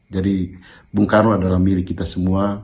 jadi bung karno adalah milik kita semua